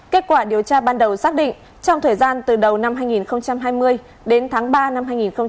kết quả điều tra ban đầu xác định trong thời gian từ đầu năm hai nghìn hai mươi đến tháng ba năm hai nghìn hai mươi